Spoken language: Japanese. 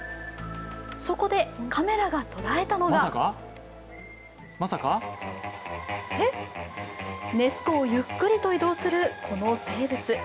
そこでカメラが捉えたのがネス湖をゆっくりと移動するこの生物。